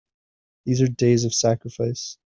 These are days of sacrifice!